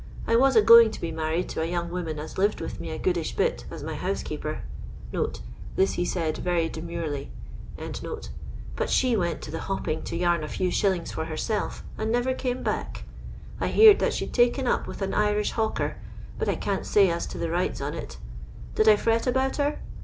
I was a going to be married to a young woman as lived with me a goodish bit as my housekeeper" [this he said very demurely]; "but she went to the hopping to yam a few shillings for herself, and never came back. I heered that she'd taken up with an Irish hawker, but I can't say as to tlie rights on it Did I fret about her?